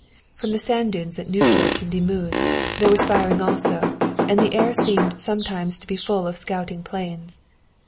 From the sand dunes at Nieuport and Dixmude there was firing also, and the air seemed sometimes to be full of scouting planes.